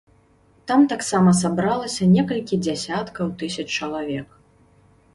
Там таксама сабралася некалькі дзясяткаў тысяч чалавек.